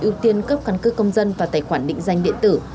ưu tiên cấp căn cước công dân và tài khoản định danh điện tử